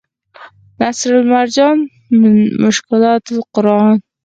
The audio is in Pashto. نصرالمرجان من مشکلات القرآن